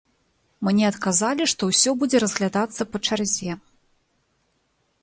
Мне адказалі, што ўсё будзе разглядацца па чарзе.